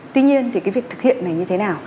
tuy nhiên thì cái việc thực hiện này như thế nào